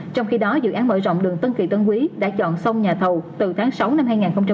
trong khi đó dự án mở rộng đường tân kỳ tân quý đã chọn sông nhà thầu từ tháng sáu năm hai nghìn một mươi chín